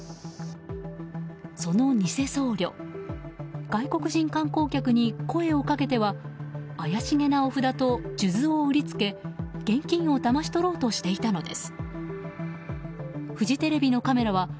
その偽僧侶外国人観光客に声をかけては怪しげなお札と数珠を売りつけ現金をだまし取ろうとしていたのです。